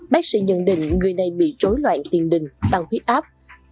bác sĩ nhận định người này bị trối loạn tiền đình bằng huyết áp